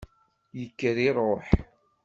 Yekker iruḥ.